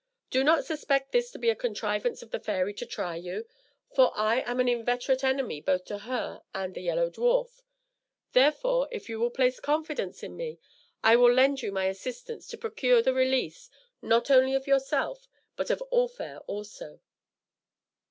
Do not suspect this to be a contrivance of the fairy to try you, for I am an inveterate enemy both to her and the Yellow Dwarf; therefore, if you will place confidence in me, I will lend you my assistance to procure the release, not only of yourself, but of All Fair also."